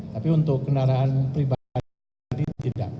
tapi untuk kendaraan pribadi tadi tidak